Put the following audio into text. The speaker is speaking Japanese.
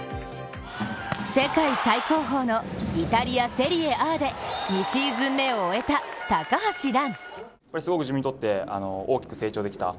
世界最高峰のイタリア・セリエＡで２シーズン目を終えた高橋藍。